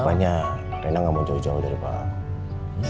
makanya rena gak mau jauh jauh dari bapak